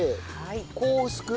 こう薄く？